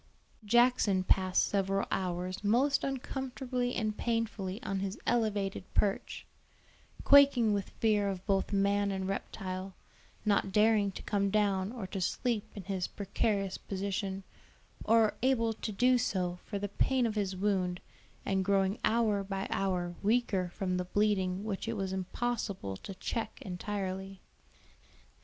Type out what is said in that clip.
Jackson passed several hours most uncomfortably and painfully on his elevated perch, quaking with fear of both man and reptile, not daring to come down or to sleep in his precarious position, or able to do so for the pain of his wound, and growing hour by hour weaker from the bleeding which it was impossible to check entirely.